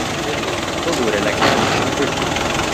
ببوورە، لە کاتیشم گرتی.